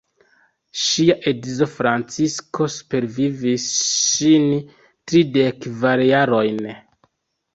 Ŝia edzo Francisko supervivis ŝin tridek kvar jarojn.